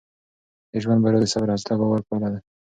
د ژوند بریا د صبر، حوصله او باور پایله ده.